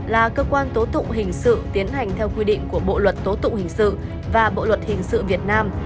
là cơ quan tố tụng hình sự tiến hành theo quy định của bộ luật tố tụng hình sự và bộ luật hình sự việt nam